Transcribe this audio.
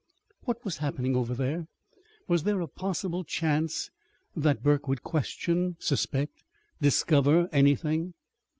What was happening over there? Was there a possible chance that Burke would question, suspect, discover anything?